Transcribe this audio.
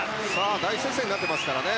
大接戦になっていますからね。